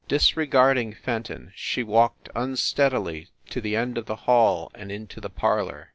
Disregarding Fenton, she walked unsteadily to the end of the hall and into the parlor.